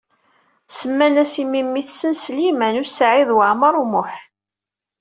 Semman-as i memmi-tsen Sliman U Saɛid Waɛmaṛ U Muḥ.